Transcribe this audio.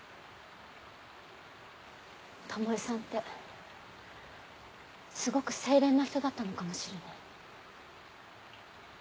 巴さんってすごく清廉な人だったのかもしれない。